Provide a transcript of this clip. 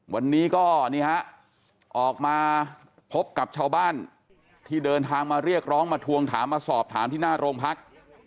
วันนี้ก็นี่ฮะออกมาพบกับชาวบ้านที่เดินทางมาเรียกร้องมาทวงถามมาสอบถามที่หน้าโรงพัก